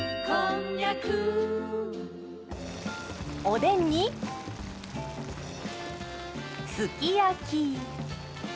おでんにすき焼き。